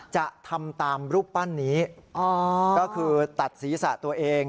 จะทำตามรูปปั้นนี้ก็คือตัดศีรษะตัวเอง